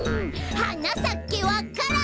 「はなさけわか蘭」